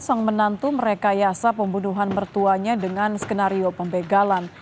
sang menantu merekayasa pembunuhan mertuanya dengan skenario pembegalan